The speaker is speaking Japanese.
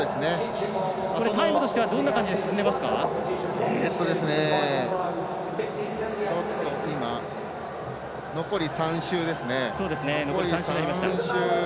タイムとしてはどんな感じで残り３周ですね。